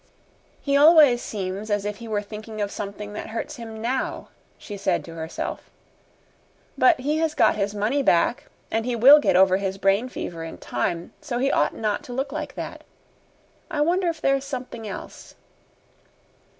"He always seems as if he were thinking of something that hurts him NOW," she said to herself, "but he has got his money back and he will get over his brain fever in time, so he ought not to look like that. I wonder if there is something else."